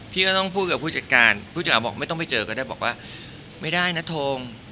พี่ก็ต้องพูดกับผู้จัดการผู้จัดหาบอกไม่ต้องไปเจอก็ได้บอกว่าไม่ได้นะทง